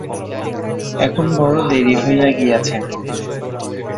এখন বড় দেরি হইয়া গিয়াছে।